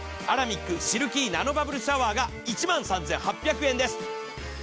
アラミックシルキーナノバブルシャワーが１万３８００円です。